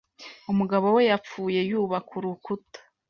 umugabo we yapfuye yubaka urukuta